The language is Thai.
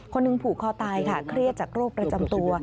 คนหนึ่งผูกคอตายค่ะเครียดจากโรคประจำตัว